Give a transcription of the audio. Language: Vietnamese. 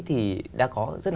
thì đã có rất là nhiều